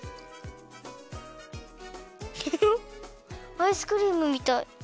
アイスクリームみたい。